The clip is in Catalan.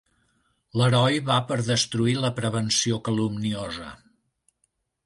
L'heroi va per destruir la prevenció calumniosa